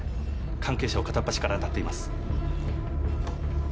関係者を片っ端から当たっています。